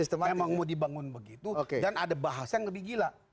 memang mau dibangun begitu dan ada bahasanya lebih gila